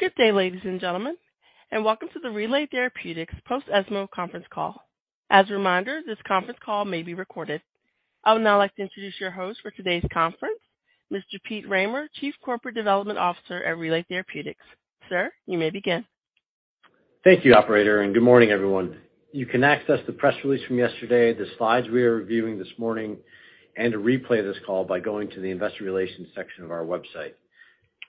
Good day, ladies and gentlemen, and welcome to the Relay Therapeutics post ESMO conference call. As a reminder, this conference call may be recorded. I would now like to introduce your host for today's conference, Mr. Peter Rahmer, Chief Corporate Development Officer at Relay Therapeutics. Sir, you may begin. Thank you operator, and good morning, everyone. You can access the press release from yesterday, the slides we are reviewing this morning, and a replay of this call by going to the investor relations section of our website.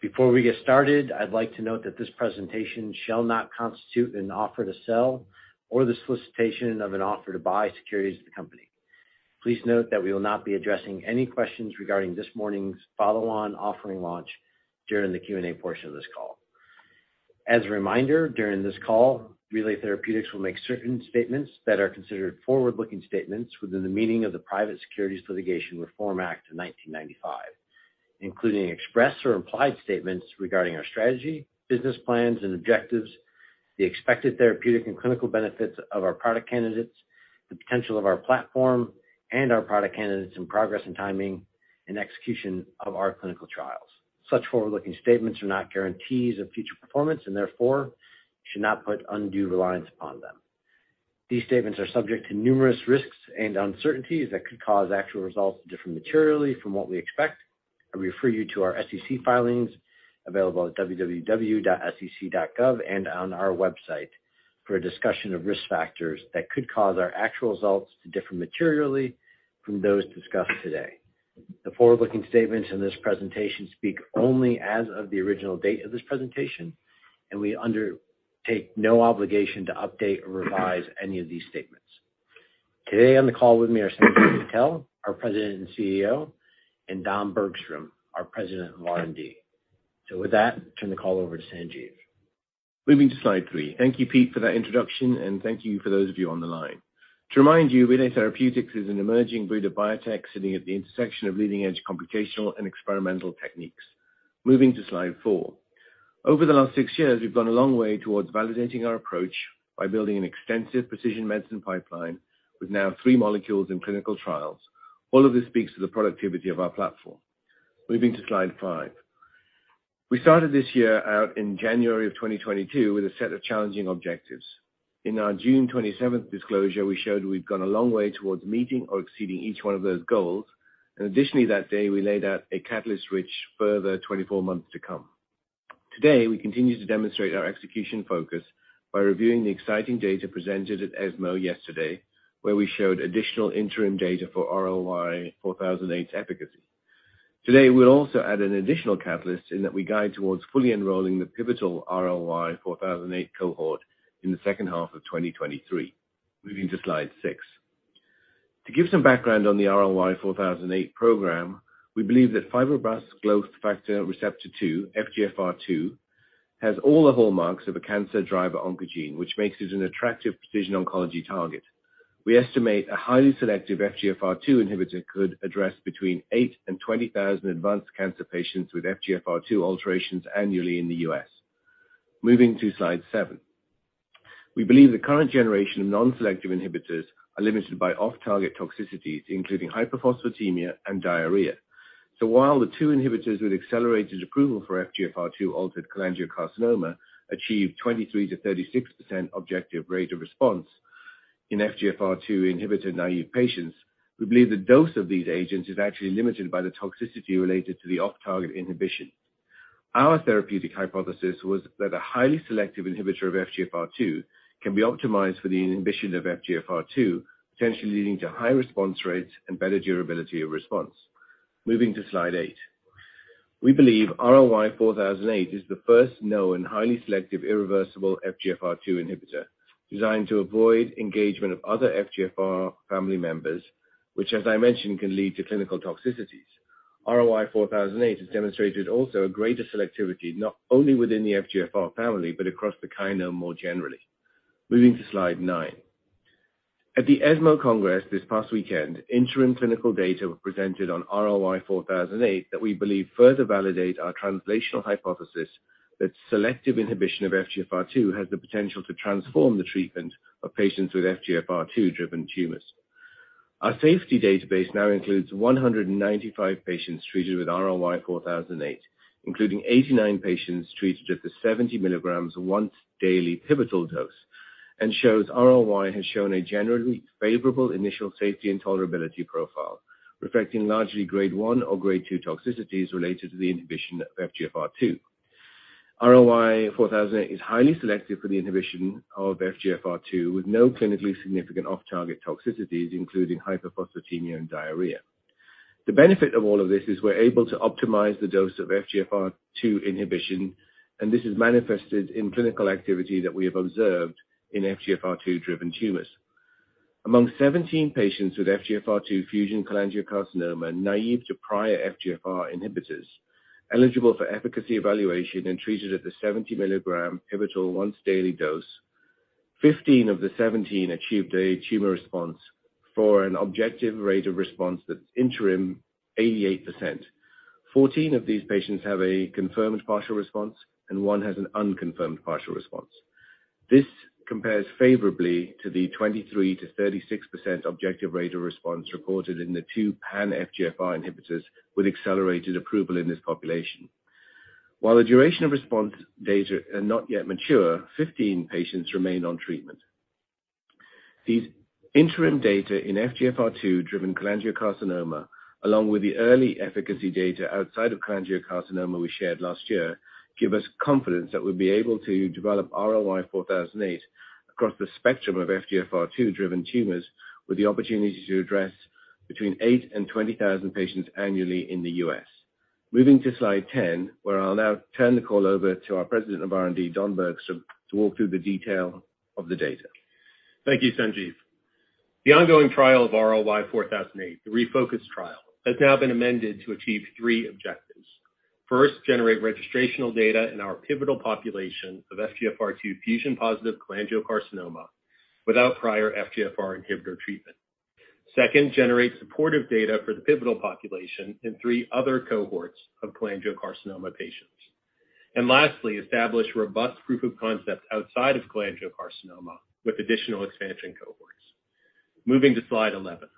Before we get started, I'd like to note that this presentation shall not constitute an offer to sell or the solicitation of an offer to buy securities of the company. Please note that we will not be addressing any questions regarding this morning's follow-on offering launch during the Q&A portion of this call. As a reminder, during this call, Relay Therapeutics will make certain statements that are considered forward-looking statements within the meaning of the Private Securities Litigation Reform Act of 1995, including express or implied statements regarding our strategy, business plans and objectives, the expected therapeutic and clinical benefits of our product candidates, the potential of our platform and our product candidates in progress and timing, and execution of our clinical trials. Such forward-looking statements are not guarantees of future performance and therefore should not put undue reliance upon them. These statements are subject to numerous risks and uncertainties that could cause actual results to differ materially from what we expect. I refer you to our SEC filings available at www.sec.gov and on our website for a discussion of risk factors that could cause our actual results to differ materially from those discussed today. The forward-looking statements in this presentation speak only as of the original date of this presentation, and we undertake no obligation to update or revise any of these statements. Today on the call with me are Sanjiv Patel, our President and CEO, and Don Bergstrom, our President of R&D. With that, turn the call over to Sanjiv. Moving to slide three. Thank you, Peter Rahmer, for that introduction and thank you for those of you on the line. To remind you, Relay Therapeutics is an emerging breed of biotech sitting at the intersection of leading-edge computational and experimental techniques. Moving to slide four. Over the last si years, we've gone a long way towards validating our approach by building an extensive precision medicine pipeline with now three molecules in clinical trials. All of this speaks to the productivity of our platform. Moving to slide five. We started this year out in January 2022 with a set of challenging objectives. In our June 27th disclosure, we showed we've gone a long way towards meeting or exceeding each one of those goals. Additionally that day, we laid out a catalyst-rich further 24 months to come. Today, we continue to demonstrate our execution focus by reviewing the exciting data presented at ESMO yesterday, where we showed additional interim data for RLY-4008 efficacy. Today, we'll also add an additional catalyst in that we guide towards fully enrolling the pivotal RLY-4008 cohort in the H2 of 2023. Moving to slide six. To give some background on the RLY-4008 program, we believe that fibroblast growth factor receptor two, FGFR2, has all the hallmarks of a cancer driver oncogene, which makes it an attractive precision oncology target. We estimate a highly selective FGFR2 inhibitor could address between and 20,000 advanced cancer patients with FGFR2 alterations annually in the U.S. Moving to slide seven. We believe the current generation of non-selective inhibitors are limited by off-target toxicities, including hypophosphatemia and diarrhea. While the two inhibitors with accelerated approval for FGFR2 altered cholangiocarcinoma achieved 23%-36% objective rate of response in FGFR2 inhibitor-naive patients, we believe the dose of these agents is actually limited by the toxicity related to the off-target inhibition. Our therapeutic hypothesis was that a highly selective inhibitor of FGFR2 can be optimized for the inhibition of FGFR2, potentially leading to high response rates and better durability of response. Moving to slide eight. We believe RLY-4008 is the first known highly selective irreversible FGFR2 inhibitor designed to avoid engagement of other FGFR family members, which as I mentioned, can lead to clinical toxicities. RLY-4008 has demonstrated also a greater selectivity, not only within the FGFR family, but across the kinome more generally. Moving to slide nine. At the ESMO Congress this past weekend, interim clinical data were presented on RLY-4008 that we believe further validate our translational hypothesis that selective inhibition of FGFR2 has the potential to transform the treatment of patients with FGFR2-driven tumors. Our safety database now includes 195 patients treated with RLY-4008, including 89 patients treated at the 70 mg once daily pivotal dose, and shows RLY-4008 has shown a generally favorable initial safety and tolerability profile, reflecting largely grade 1 or grade 2 toxicities related to the inhibition of FGFR2. RLY-4008 is highly selective for the inhibition of FGFR2 with no clinically significant off-target toxicities, including hypophosphatemia and diarrhea. The benefit of all of this is we're able to optimize the dose of FGFR2 inhibition, and this is manifested in clinical activity that we have observed in FGFR2-driven tumors. Among 17 patients with FGFR2 fusion cholangiocarcinoma naive to prior FGFR inhibitors eligible for efficacy evaluation and treated at the 70-mg pivotal once daily dose, 15 of the 17 achieved a tumor response for an objective rate of response that's interim 88%. 14 of these patients have a confirmed partial response, and 1 has an unconfirmed partial response. This compares favorably to the 23%-36% objective rate of response reported in the two pan-FGFR inhibitors with accelerated approval in this population. While the duration of response data are not yet mature, 15 patients remain on treatment. These interim data in FGFR2 driven cholangiocarcinoma, along with the early efficacy data outside of cholangiocarcinoma we shared last year, give us confidence that we'll be able to develop RLY-4008 across the spectrum of FGFR2 driven tumors, with the opportunity to address between 8 and 20,000 patients annually in the U.S. Moving to slide 10, where I'll now turn the call over to our President of R&D, Don Bergstrom, to walk through the detail of the data. Thank you, Sanjiv. The ongoing trial of RLY-4008, the ReFocus trial, has now been amended to achieve three objectives. First, generate registrational data in our pivotal population of FGFR2 fusion positive cholangiocarcinoma without prior FGFR inhibitor treatment. Second, generate supportive data for the pivotal population in three other cohorts of cholangiocarcinoma patients. Lastly, establish robust proof of concept outside of cholangiocarcinoma with additional expansion cohorts. Moving to slide 11.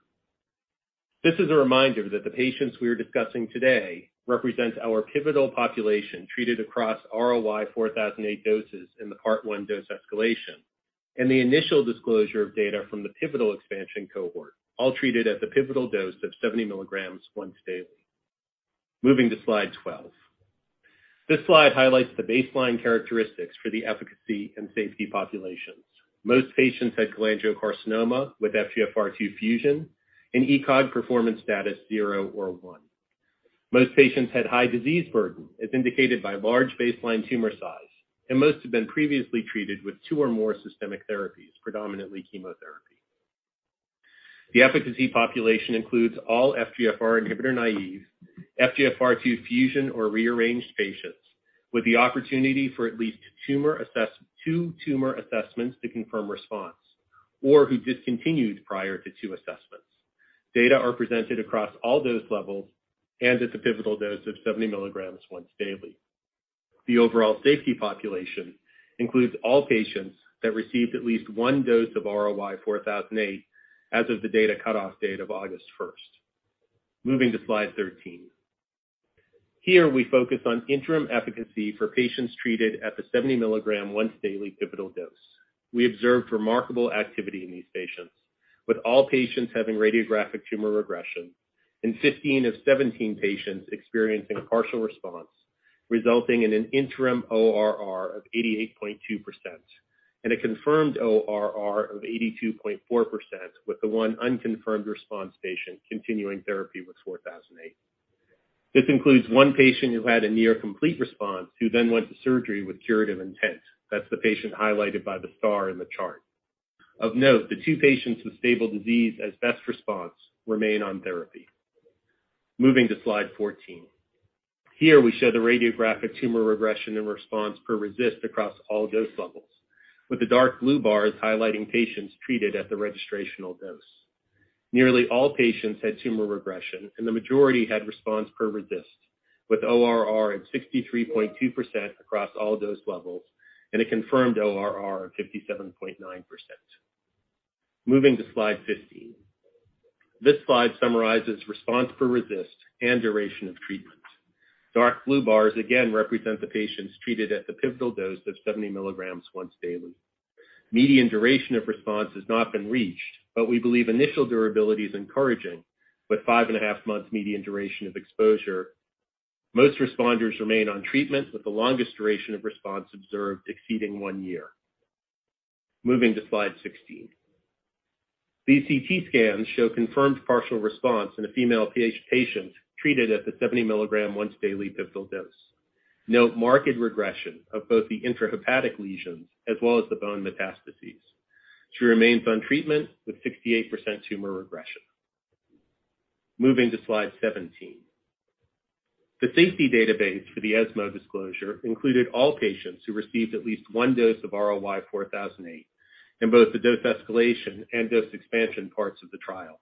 This is a reminder that the patients we are discussing today represent our pivotal population treated across RLY-4008 doses in the Part one dose escalation, and the initial disclosure of data from the pivotal expansion cohort, all treated at the pivotal dose of 70 milligrams once daily. Moving to slide 12. This slide highlights the baseline characteristics for the efficacy and safety populations. Most patients had cholangiocarcinoma with FGFR2 fusion and ECOG performance status zero or one. Most patients had high disease burden, as indicated by large baseline tumor size, and most had been previously treated with two or more systemic therapies, predominantly chemotherapy. The efficacy population includes all FGFR inhibitor-naive, FGFR2 fusion or rearranged patients with the opportunity for at least two tumor assessments to confirm response, or who discontinued prior to two assessments. Data are presented across all dose levels and at the pivotal dose of 70 milligrams once daily. The overall safety population includes all patients that received at least one dose of RLY-4008 as of the data cutoff date of August 1. Moving to slide 13. Here we focus on interim efficacy for patients treated at the 70 milligrams once daily pivotal dose. We observed remarkable activity in these patients, with all patients having radiographic tumor regression and 15 of 17 patients experiencing partial response, resulting in an interim ORR of 88.2% and a confirmed ORR of 82.4% with the one unconfirmed response patient continuing therapy with 4008. This includes one patient who had a near complete response who then went to surgery with curative intent. That's the patient highlighted by the star in the chart. Of note, the two patients with stable disease as best response remain on therapy. Moving to slide 14. Here we show the radiographic tumor regression and response per RECIST across all dose levels, with the dark blue bars highlighting patients treated at the registrational dose. Nearly all patients had tumor regression and the majority had response per RECIST, with ORR at 63.2% across all dose levels and a confirmed ORR of 57.9%. Moving to slide 15. This slide summarizes response per RECIST and duration of treatment. Dark blue bars again represent the patients treated at the pivotal dose of 70 mg once daily. Median duration of response has not been reached, but we believe initial durability is encouraging, with five and a half months median duration of exposure. Most responders remain on treatment, with the longest duration of response observed exceeding one year. Moving to slide 16. These CT scans show confirmed partial response in a female PH patient treated at the 70 mg once daily pivotal dose. Note marked regression of both the intrahepatic lesions as well as the bone metastases. She remains on treatment, with 68% tumor regression. Moving to slide 17. The safety database for the ESMO disclosure included all patients who received at least one dose of RLY-4008 in both the dose escalation and dose expansion parts of the trial.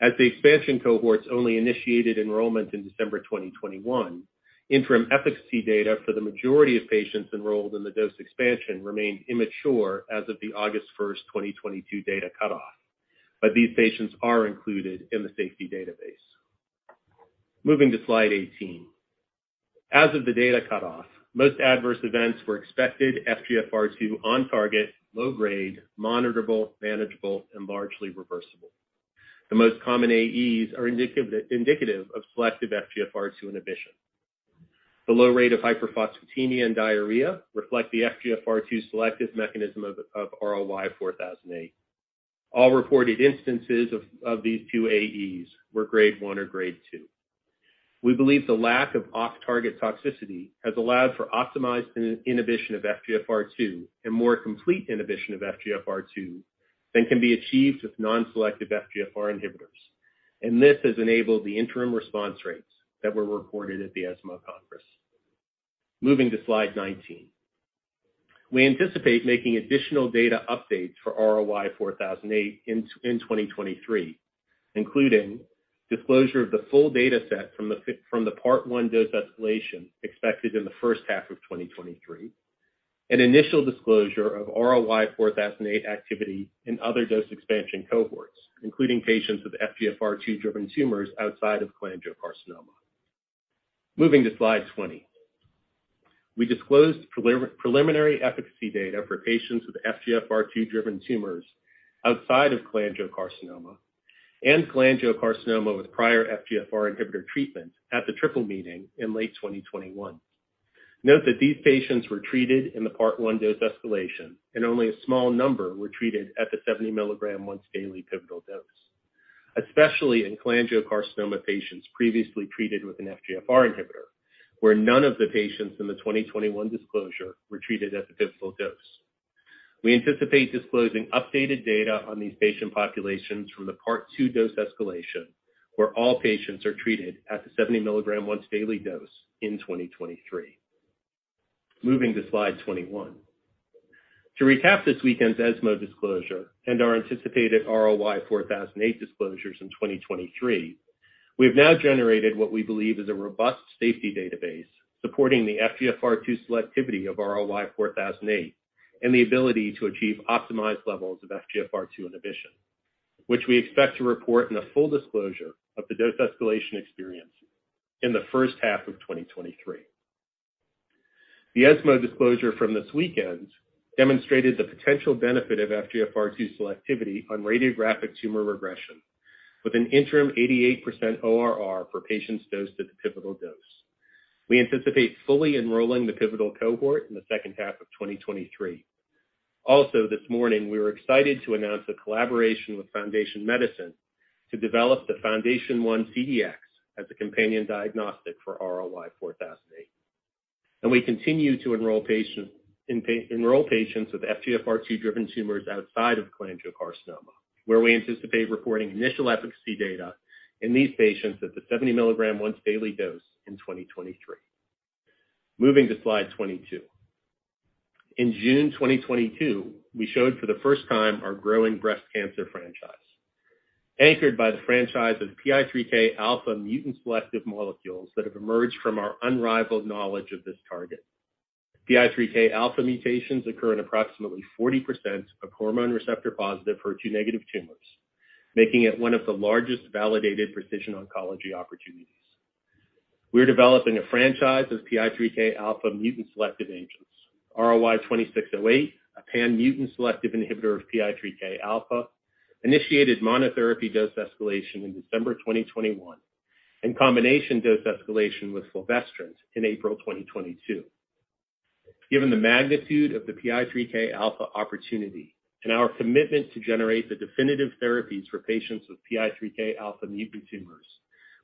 As the expansion cohorts only initiated enrollment in December 2021, interim efficacy data for the majority of patients enrolled in the dose expansion remained immature as of the August 1, 2022 data cutoff, but these patients are included in the safety database. Moving to slide 18. As of the data cutoff, most adverse events were expected FGFR2 on target, low grade, monitorable, manageable and largely reversible. The most common AEs are indicative of selective FGFR2 inhibition. The low rate of hyperphosphatemia and diarrhea reflect the FGFR2 selective mechanism of RLY-4008. All reported instances of these two AEs were grade 1 or grade 2. We believe the lack of off-target toxicity has allowed for optimized inhibition of FGFR2 and more complete inhibition of FGFR2 than can be achieved with non-selective FGFR inhibitors, and this has enabled the interim response rates that were reported at the ESMO conference. Moving to slide 19. We anticipate making additional data updates for RLY-4008 in 2023. Including disclosure of the full dataset from the Part One dose escalation expected in the H1 of 2023, an initial disclosure of RLY-4008 activity in other dose expansion cohorts, including patients with FGFR2-driven tumors outside of cholangiocarcinoma. Moving to slide 20. We disclosed preliminary efficacy data for patients with FGFR2-driven tumors outside of cholangiocarcinoma, and cholangiocarcinoma with prior FGFR inhibitor treatment at the Triple Meeting in late 2021. Note that these patients were treated in the Part One dose escalation, and only a small number were treated at the 70 mg once daily pivotal dose. Especially in cholangiocarcinoma patients previously treated with an FGFR inhibitor, where none of the patients in the 2021 disclosure were treated at the pivotal dose. We anticipate disclosing updated data on these patient populations from the Part Two dose escalation, where all patients are treated at the 70 mg once daily dose in 2023. Moving to slide 21. To recap this weekend's ESMO disclosure and our anticipated RLY-4008 disclosures in 2023, we have now generated what we believe is a robust safety database supporting the FGFR2 selectivity of RLY-4008, and the ability to achieve optimized levels of FGFR2 inhibition, which we expect to report in a full disclosure of the dose escalation experience in the H1 of 2023. The ESMO disclosure from this weekend demonstrated the potential benefit of FGFR2 selectivity on radiographic tumor regression with an interim 88% ORR for patients dosed at the pivotal dose. We anticipate fully enrolling the pivotal cohort in the H2 of 2023. Also, this morning, we were excited to announce a collaboration with Foundation Medicine to develop the FoundationOne CDx as a companion diagnostic for RLY-4008. We continue to enroll patients with FGFR2-driven tumors outside of cholangiocarcinoma, where we anticipate reporting initial efficacy data in these patients at the 70 mg once daily dose in 2023. Moving to slide 22. In June 2022, we showed for the first time our growing breast cancer franchise, anchored by the franchise of PI3K alpha mutant selective molecules that have emerged from our unrivaled knowledge of this target. PI3K alpha mutations occur in approximately 40% of hormone receptor-positive HER2 negative tumors, making it one of the largest validated precision oncology opportunities. We're developing a franchise of PI3K alpha mutant-selective agents. RLY-2608, a pan-mutant selective inhibitor of PI3K alpha, initiated monotherapy dose escalation in December 2021, and combination dose escalation with fulvestrant in April 2022. Given the magnitude of the PI3K alpha opportunity and our commitment to generate the definitive therapies for patients with PI3K alpha mutant tumors,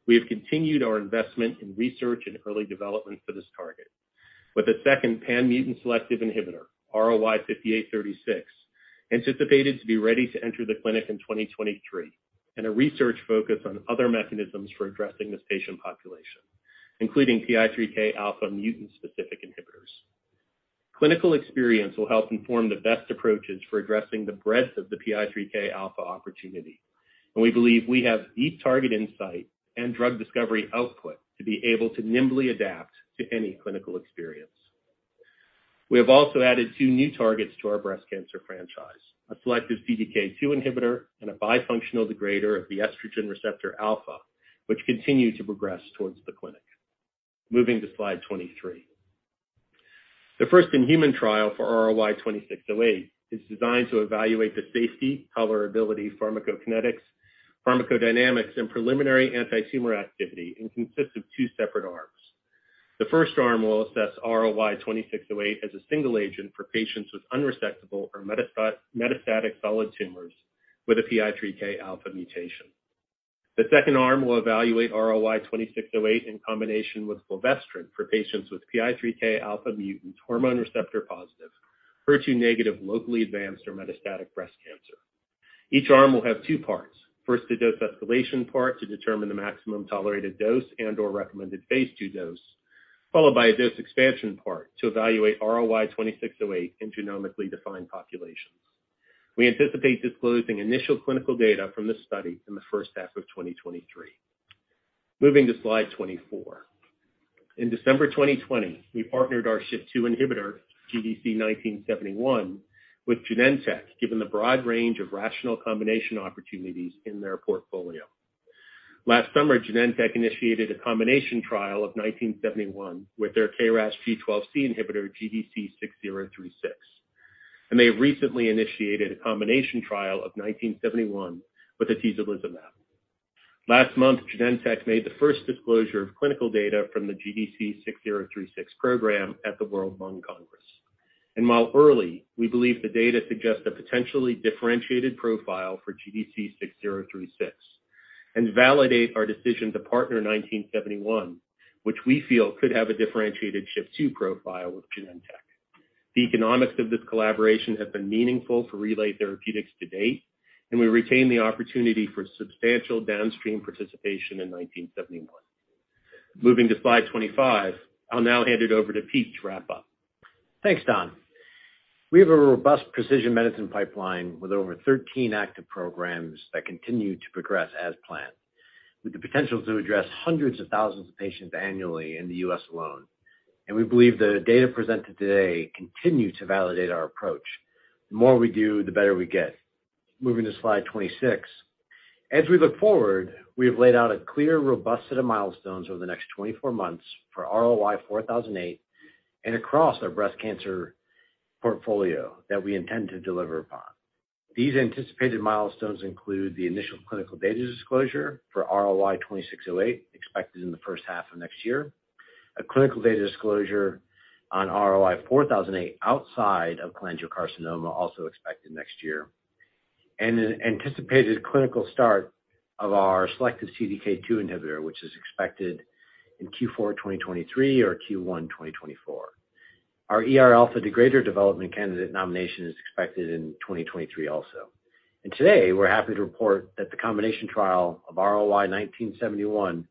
we have continued our investment in research and early development for this target with a second pan-mutant selective inhibitor, RLY-5836, anticipated to be ready to enter the clinic in 2023, and a research focus on other mechanisms for addressing this patient population, including PI3K alpha mutant-specific inhibitors. Clinical experience will help inform the best approaches for addressing the breadth of the PI3K alpha opportunity, and we believe we have deep target insight and drug discovery output to be able to nimbly adapt to any clinical experience. We have also added two new targets to our breast cancer franchise, a selective CDK2 inhibitor and a bifunctional degrader of the estrogen receptor alpha, which continue to progress towards the clinic. Moving to slide 23. The first in-human trial for RLY-2608 is designed to evaluate the safety, tolerability, pharmacokinetics, pharmacodynamics, and preliminary antitumor activity, and consists of two separate arms. The first arm will assess RLY-2608 as a single agent for patients with unresectable or metastatic solid tumors with a PI3K alpha mutation. The second arm will evaluate RLY-2608 in combination with fulvestrant for patients with PI3K alpha mutant hormone receptor-positive, HER2-negative, locally advanced or metastatic breast cancer. Each arm will have two parts. First, a dose escalation part to determine the maximum tolerated dose and/or recommended phase II dose, followed by a dose expansion part to evaluate RLY-2608 in genomically defined populations. We anticipate disclosing initial clinical data from this study in the H1 of 2023. Moving to slide 24. In December 2020, we partnered our SHP2 inhibitor, GDC-1971, with Genentech given the broad range of rational combination opportunities in their portfolio. Last summer, Genentech initiated a combination trial of 1971 with their KRAS G12C inhibitor, GDC-6036, and they have recently initiated a combination trial of 1971 with atezolizumab. Last month, Genentech made the first disclosure of clinical data from the GDC-6036 program at the World Conference on Lung Cancer. While early, we believe the data suggests a potentially differentiated profile for GDC-6036 and validate our decision to partner 1971, which we feel could have a differentiated SHP2 profile with Genentech. The economics of this collaboration have been meaningful for Relay Therapeutics to date, and we retain the opportunity for substantial downstream participation in 1971. Moving to slide 25. I'll now hand it over to Pete to wrap up. Thanks, Don. We have a robust precision medicine pipeline with over 13 active programs that continue to progress as planned, with the potential to address hundreds of thousands of patients annually in the U.S. alone. We believe the data presented today continue to validate our approach. The more we do, the better we get. Moving to slide 26. As we look forward, we have laid out a clear, robust set of milestones over the next 24 months for RLY-4008 and across our breast cancer portfolio that we intend to deliver upon. These anticipated milestones include the initial clinical data disclosure for RLY-2608, expected in the H1 of next year, a clinical data disclosure on RLY-4008 outside of cholangiocarcinoma, also expected next year, and an anticipated clinical start of our selective CDK2 inhibitor, which is expected in Q4 2023 or Q1 2024. Our ER alpha degrader development candidate nomination is expected in 2023 also. Today, we're happy to report that the combination trial of RLY-1971,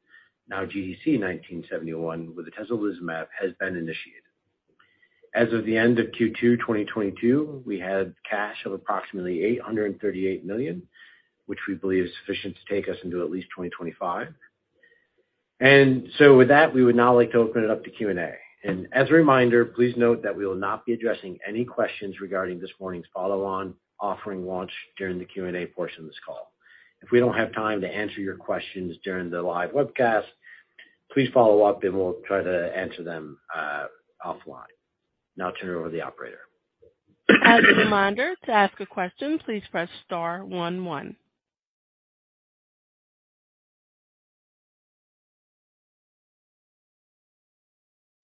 now GDC-1971, with atezolizumab has been initiated. As of the end of Q2 2022, we had cash of approximately $838 million, which we believe is sufficient to take us into at least 2025. With that, we would now like to open it up to Q&A. As a reminder, please note that we will not be addressing any questions regarding this morning's follow-on offering launch during the Q&A portion of this call. If we don't have time to answer your questions during the live webcast, please follow up, and we'll try to answer them offline. Now I'll turn it over to the operator. As a reminder, to ask a question, please press star one one.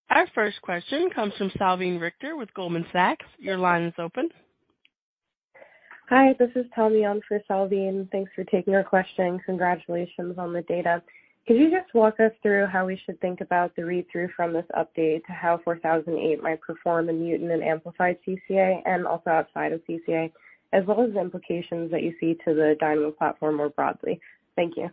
Our first question comes from Salveen Richter with Goldman Sachs. Your line is open. Hi, this is Tommy on for Salveen. Thanks for taking our question. Congratulations on the data. Could you just walk us through how we should think about the read-through from this update to how 4008 might perform in mutant and amplified CCA and also outside of CCA, as well as the implications that you see to the Dynamo platform more broadly? Thank you.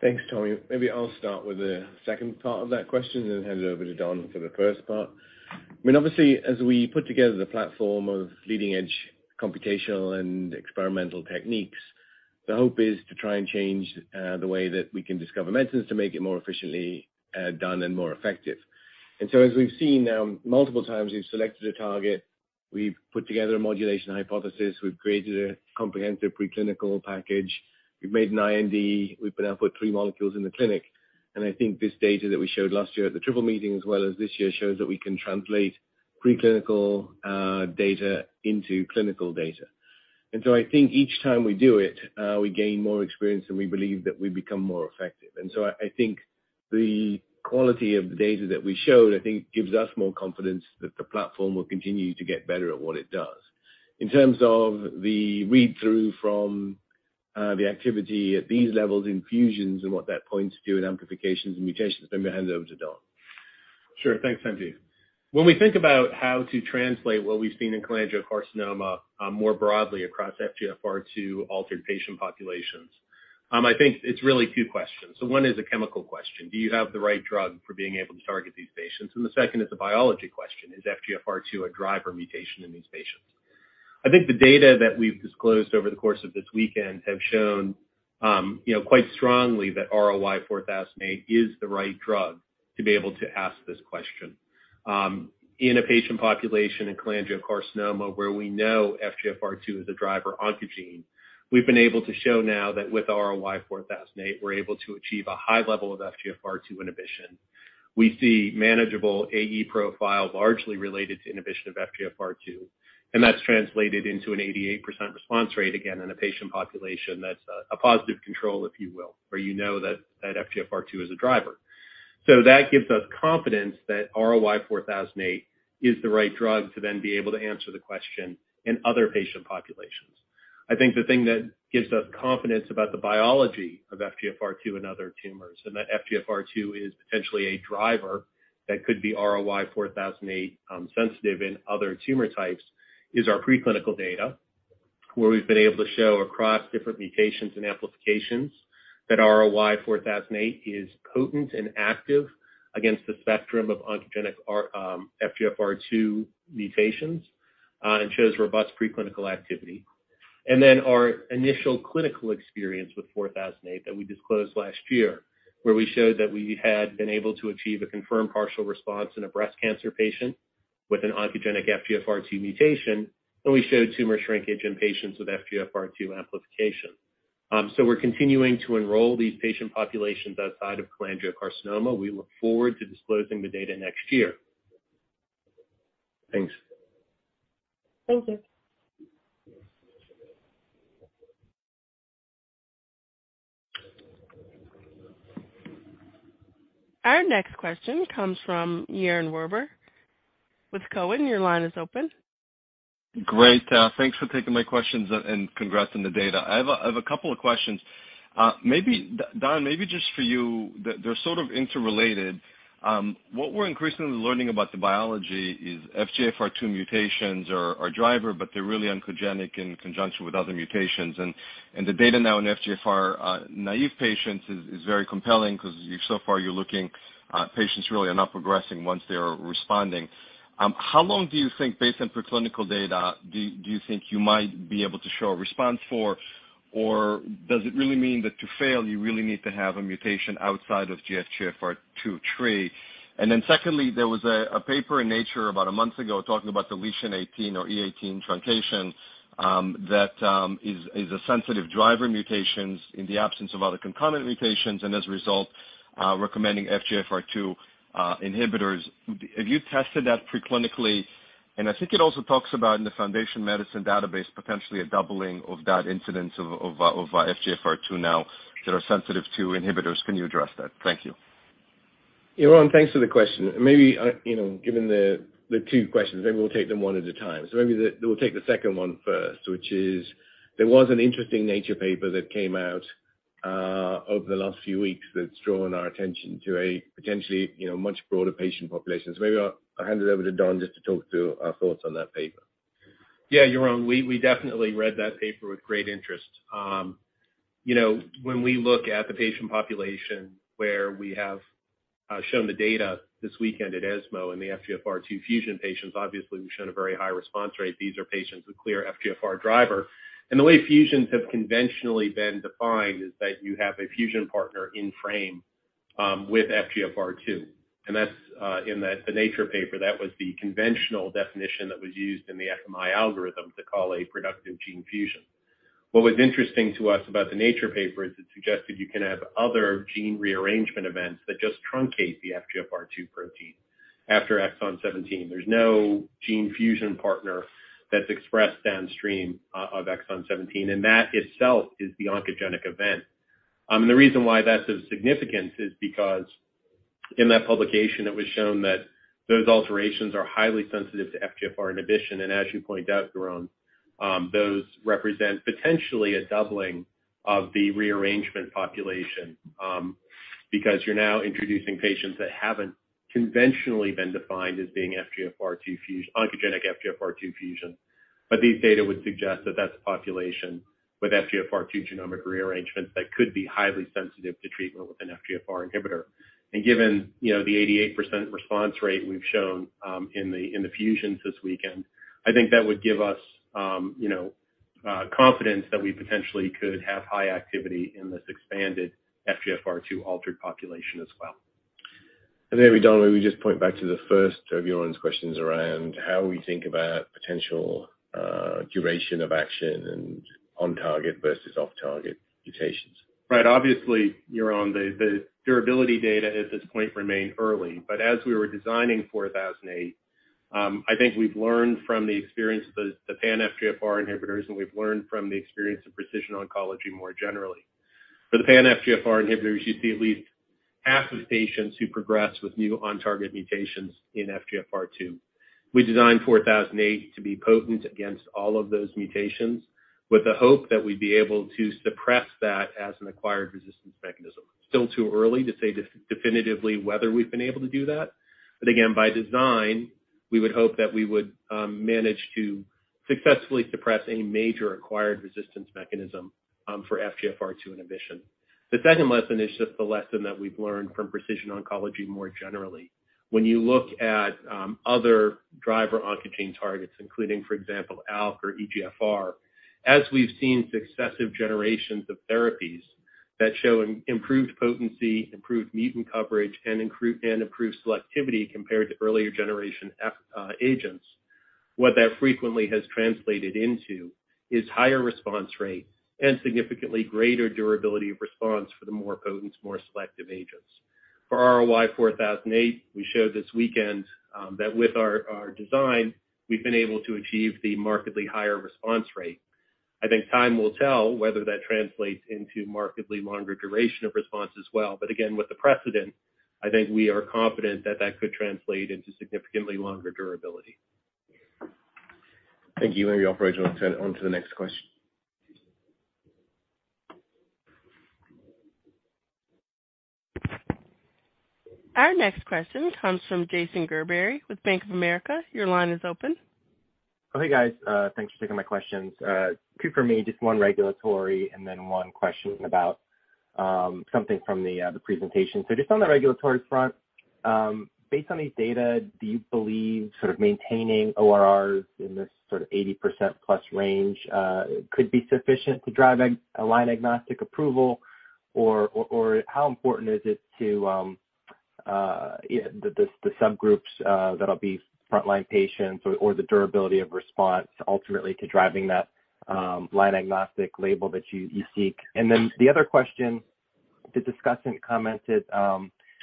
Thanks, Tommy. Maybe I'll start with the second part of that question then hand it over to Don for the first part. I mean, obviously, as we put together the platform of leading-edge computational and experimental techniques, the hope is to try and change the way that we can discover medicines to make it more efficiently done and more effective. We've seen now multiple times, we've selected a target. We've put together a modulation hypothesis. We've created a comprehensive preclinical package. We've made an IND. We've now put three molecules in the clinic. I think this data that we showed last year at the Triple Meeting as well as this year shows that we can translate preclinical data into clinical data. I think each time we do it, we gain more experience, and we believe that we become more effective. I think the quality of the data that we showed, I think gives us more confidence that the platform will continue to get better at what it does. In terms of the read-through from the activity at these levels, infusions and what that points to in amplifications and mutations, let me hand it over to Don. Sure. Thanks, Andy. When we think about how to translate what we've seen in cholangiocarcinoma, more broadly across FGFR2 altered patient populations, I think it's really two questions. One is a chemical question. Do you have the right drug for being able to target these patients? The second is a biology question. Is FGFR2 a driver mutation in these patients? I think the data that we've disclosed over the course of this weekend have shown, you know, quite strongly that RLY-4008 is the right drug to be able to ask this question. In a patient population in cholangiocarcinoma where we know FGFR2 is a driver oncogene, we've been able to show now that with RLY-4008, we're able to achieve a high level of FGFR2 inhibition. We see manageable AE profile largely related to inhibition of FGFR2, and that's translated into an 88% response rate, again, in a patient population that's a positive control, if you will, where you know that FGFR2 is a driver. That gives us confidence that RLY-4008 is the right drug to then be able to answer the question in other patient populations. I think the thing that gives us confidence about the biology of FGFR2 in other tumors, and that FGFR2 is potentially a driver that could be RLY-4008 sensitive in other tumor types, is our preclinical data, where we've been able to show across different mutations and amplifications that RLY-4008 is potent and active against the spectrum of oncogenic FGFR2 mutations, and shows robust preclinical activity. Our initial clinical experience with RLY-4008 that we disclosed last year, where we showed that we had been able to achieve a confirmed partial response in a breast cancer patient with an oncogenic FGFR2 mutation, and we showed tumor shrinkage in patients with FGFR2 amplification. We're continuing to enroll these patient populations outside of cholangiocarcinoma. We look forward to disclosing the data next year. Thanks. Thank you. Our next question comes from Yaron Werber with Cowen. Your line is open. Great. Thanks for taking my questions, and congrats on the data. I have a couple of questions. Maybe Don, maybe just for you, they're sort of interrelated. What we're increasingly learning about the biology is FGFR2 mutations are driver, but they're really oncogenic in conjunction with other mutations. The data now in FGFR naive patients is very compelling because so far you're looking at patients really are not progressing once they're responding. How long do you think, based on preclinical data, you might be able to show a response for? Or does it really mean that to fail, you really need to have a mutation outside of FGFR2 tree? Then secondly, there was a paper in Nature about a month ago talking about deletion 18 or E18 truncation that is a sensitive driver mutations in the absence of other concomitant mutations and as a result, recommending FGFR2 inhibitors. Have you tested that preclinically? I think it also talks about in the Foundation Medicine database, potentially a doubling of that incidence of FGFR2 now that are sensitive to inhibitors. Can you address that? Thank you. Yaron, thanks for the question. Maybe you know, given the two questions, maybe we'll take them one at a time. We'll take the second one first, which is there was an interesting Nature paper that came out over the last few weeks that's drawn our attention to a potentially you know, much broader patient population. Maybe I'll hand it over to Don just to talk through our thoughts on that paper. Yeah, Yaron, we definitely read that paper with great interest. You know, when we look at the patient population where we have shown the data this weekend at ESMO in the FGFR2 fusion patients, obviously, we've shown a very high response rate. These are patients with clear FGFR driver. The way fusions have conventionally been defined is that you have a fusion partner in frame with FGFR2. That's in the Nature paper, that was the conventional definition that was used in the FMI algorithm to call a productive gene fusion. What was interesting to us about the Nature paper is it suggested you can have other gene rearrangement events that just truncate the FGFR2 protein after exon 17. There's no gene fusion partner that's expressed downstream of exon 17, and that itself is the oncogenic event. The reason why that's of significance is because in that publication, it was shown that those alterations are highly sensitive to FGFR inhibition. As you pointed out, Yaron, those represent potentially a doubling of the rearrangement population, because you're now introducing patients that haven't conventionally been defined as being oncogenic FGFR2 fusion. These data would suggest that that's a population with FGFR2 genomic rearrangements that could be highly sensitive to treatment with an FGFR inhibitor. Given, you know, the 88% response rate we've shown, in the fusions this weekend, I think that would give us, you know, confidence that we potentially could have high activity in this expanded FGFR2 altered population as well. Maybe, Don, let me just point back to the first of Yaron's questions around how we think about potential, duration of action and on-target versus off-target mutations. Right. Obviously, Yaron, the durability data at this point remain early. As we were designing 4008, I think we've learned from the experience of the pan-FGFR inhibitors, and we've learned from the experience of precision oncology more generally. For the pan-FGFR inhibitors, you'd see at least half of patients who progress with new on-target mutations in FGFR2. We designed 4008 to be potent against all of those mutations with the hope that we'd be able to suppress that as an acquired resistance mechanism. Still too early to say definitively whether we've been able to do that. Again, by design, we would hope that we would manage to successfully suppress any major acquired resistance mechanism for FGFR2 inhibition. The second lesson is just the lesson that we've learned from precision oncology more generally. When you look at other driver oncogene targets, including, for example, ALK or EGFR, as we've seen successive generations of therapies that show improved potency, improved mutant coverage, and improved selectivity compared to earlier generation FGFR agents, what that frequently has translated into is higher response rate and significantly greater durability of response for the more potent, more selective agents. For RLY-4008, we showed this weekend that with our design, we've been able to achieve the markedly higher response rate. I think time will tell whether that translates into markedly longer duration of response as well. Again, with the precedent, I think we are confident that that could translate into significantly longer durability. Thank you. Maybe, operator, why don't we turn it on to the next question? Our next question comes from Jason Gerberry with Bank of America. Your line is open. Oh, hey, guys. Thanks for taking my questions. Two for me, just one regulatory and then one question about something from the presentation. Just on the regulatory front, based on these data, do you believe sort of maintaining ORRs in this sort of 80%+ range could be sufficient to drive a line agnostic approval? Or how important is it to you know the subgroups that'll be frontline patients or the durability of response ultimately to driving that line agnostic label that you seek? And then the other question, the discussant commented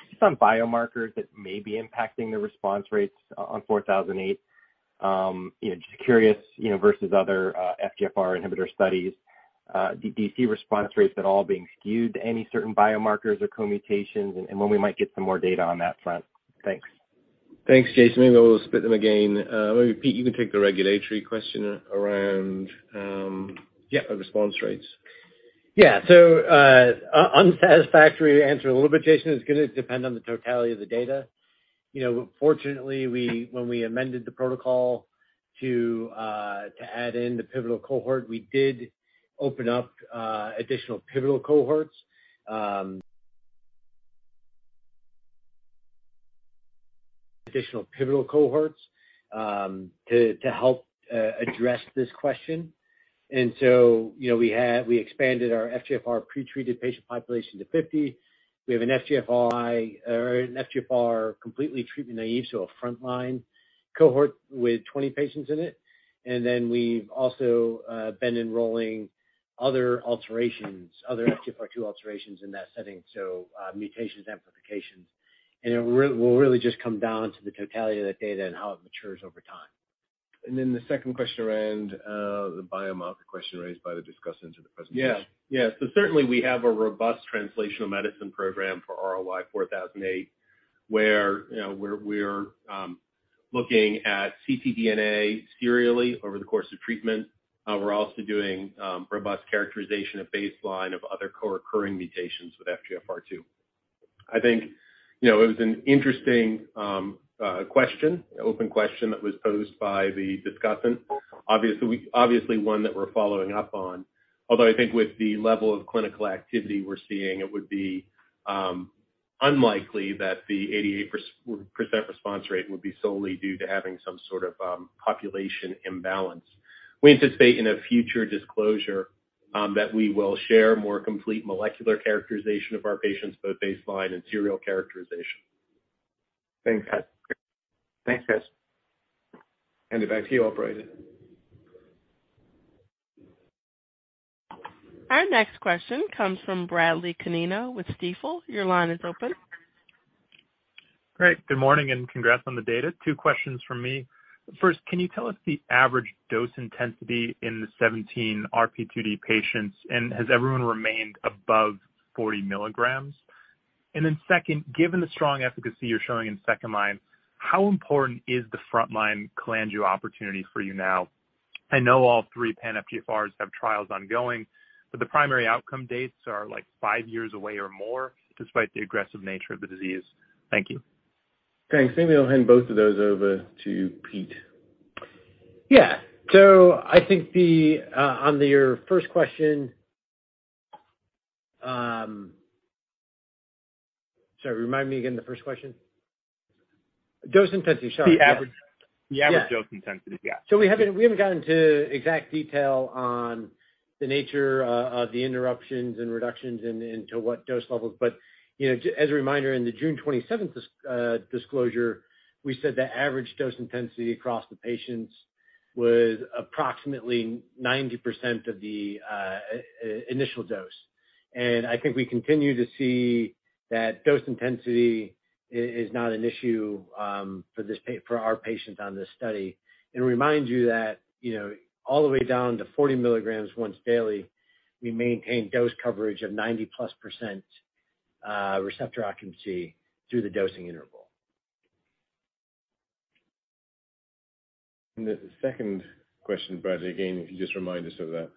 just on biomarkers that may be impacting the response rates on 4008. You know, just curious, you know, versus other FGFR inhibitor studies, do you see response rates at all being skewed to any certain biomarkers or co-mutations, and when we might get some more data on that front? Thanks, Jason. Maybe we'll split them again. Maybe Pete, you can take the regulatory question around, Yeah the response rates. Yeah. Unsatisfactory answer a little bit, Jason, it's gonna depend on the totality of the data. You know, fortunately, when we amended the protocol to add in the pivotal cohort, we did open up additional pivotal cohorts to help address this question. You know, we expanded our FGFR pre-treated patient population to 50. We have an FGFR completely treatment naive, so a frontline cohort with 20 patients in it. We've also been enrolling other alterations, other FGFR2 alterations in that setting, so mutations, amplifications. It will really just come down to the totality of that data and how it matures over time. The second question around the biomarker question raised by the discussant to the presentation. Certainly we have a robust translational medicine program for RLY-4008 where, you know, we're looking at ctDNA serially over the course of treatment. We're also doing robust characterization at baseline of other co-occurring mutations with FGFR2. I think, you know, it was an interesting question, open question that was posed by the discussant. Obviously one that we're following up on. Although I think with the level of clinical activity we're seeing, it would be unlikely that the 88% response rate would be solely due to having some sort of population imbalance. We anticipate in a future disclosure that we will share more complete molecular characterization of our patients, both baseline and serial characterization. Thanks, guys. Thanks, guys. Hand it back to you, operator. Our next question comes from Bradley Canino with Stifel. Your line is open. Great. Good morning and congrats on the data. two questions from me. First, can you tell us the average dose intensity in the 17 RP2D patients, and has everyone remained above 40 milligrams? Second, given the strong efficacy you're showing in second line, how important is the frontline cholangio opportunity for you now? I know all three pan-FGFRs have trials ongoing, but the primary outcome dates are, like, 5 years away or more, despite the aggressive nature of the disease. Thank you. Thanks. Maybe I'll hand both of those over to Pete. Yeah. I think the on to your first question. Sorry, remind me again the first question. Dose intensity, sorry. The average. Yeah. The average dose intensity. Yeah. We haven't gotten to exact detail on the nature of the interruptions and reductions into what dose levels. You know, as a reminder, in the June 27th disclosure, we said the average dose intensity across the patients was approximately 90% of the initial dose. I think we continue to see that dose intensity is not an issue for our patients on this study. To remind you that, you know, all the way down to 40 mg once daily, we maintain dose coverage of 90+% receptor occupancy through the dosing interval. The second question, Bradley, again, if you just remind us of that.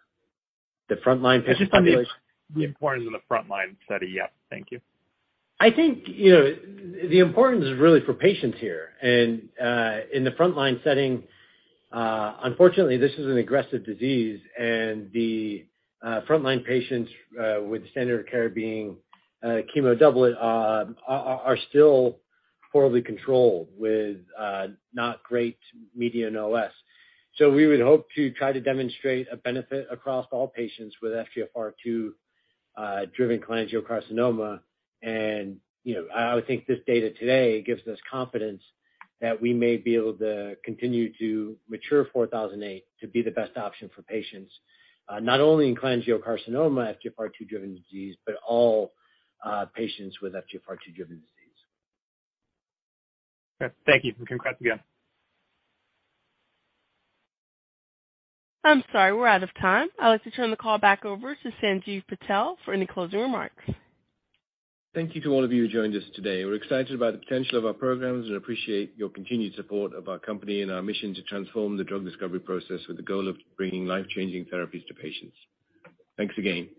The frontline patients. Just on the importance of the frontline study. Yeah. Thank you. I think, you know, the importance is really for patients here. In the frontline setting, unfortunately, this is an aggressive disease and the frontline patients with standard of care being chemo doublet are still poorly controlled with not great median OS. We would hope to try to demonstrate a benefit across all patients with FGFR2 driven cholangiocarcinoma. I would think this data today gives us confidence that we may be able to continue to mature 4008 to be the best option for patients, not only in cholangiocarcinoma FGFR2 driven disease, but all patients with FGFR2 driven disease. Okay. Thank you. Congrats again. I'm sorry, we're out of time. I'd like to turn the call back over to Sanjiv Patel for any closing remarks. Thank you to all of you who joined us today. We're excited about the potential of our programs and appreciate your continued support of our company and our mission to transform the drug discovery process with the goal of bringing life-changing therapies to patients. Thanks again.